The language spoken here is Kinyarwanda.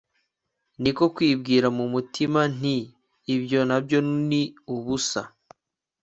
ni ko kwibwira mu mutima nti ibyo na byo ni ubusa